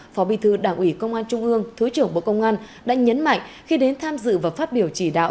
phó bi thư đảng ủy công an trung ương thứ trưởng bộ công an đã nhấn mạnh khi đến tham dự và phát biểu chỉ đạo